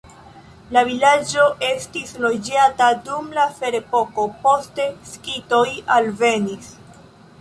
La vilaĝo estis loĝata dum la ferepoko, poste skitoj alvenis.